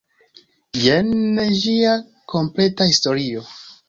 Jen ĝia kompleta historio.